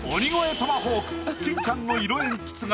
トマホーク金ちゃんの色鉛筆画